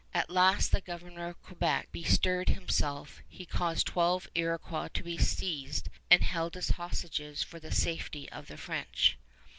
At last the Governor of Quebec bestirred himself: he caused twelve Iroquois to be seized and held as hostages for the safety of the French.